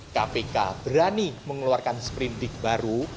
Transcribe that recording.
kpk berani mengeluarkan seperindik baru